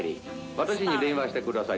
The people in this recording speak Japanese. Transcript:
私に電話してください